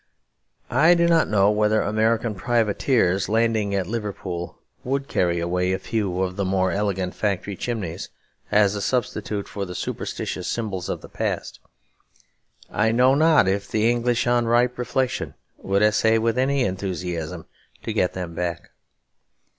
I do not know whether American privateers, landing at Liverpool, would carry away a few of the more elegant factory chimneys as a substitute for the superstitious symbols of the past. I know not if the English, on ripe reflection, would essay with any enthusiasm to get them back.